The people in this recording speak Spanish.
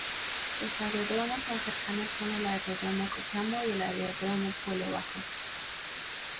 Los aeródromos más cercanos son el Aeródromo Cochamó y el Aeródromo Puelo Bajo.